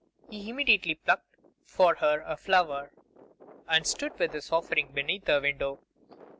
He immediately plucked for her a flower, and stood with his offering beneath her window.